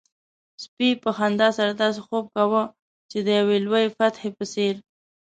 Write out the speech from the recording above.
سپي په خندا سره داسې خوب کاوه چې د يو لوی فاتح په څېر.